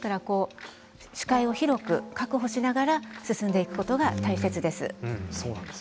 視界を広く確保しながら進んでいくことが大切です。